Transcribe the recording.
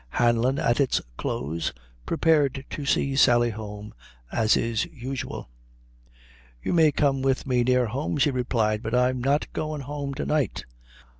Hanlon, at its close, prepared to see Sally home, as is usual. "You may come with me near home," she replied; "but I'm not goin' home to night."